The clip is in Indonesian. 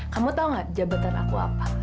kamu tahu nggak jabatan aku apa